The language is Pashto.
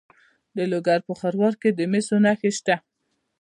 د لوګر په خروار کې د مسو نښې شته.